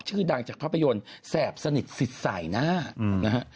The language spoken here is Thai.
ชื่อดังจากภาพยนตร์แสบสนิทสิดใสนะฮะ